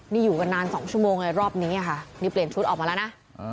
นี่อยู่กันนาน๒ชั่วโมงไงรอบนี้ค่ะนี่เปลี่ยนชุดออกมาแล้วนะ